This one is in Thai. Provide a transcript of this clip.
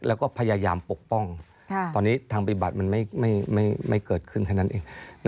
แล้วก็พยายามปกป้องตอนนี้ทางปฏิบัติมันไม่เกิดขึ้นแค่นั้นเอง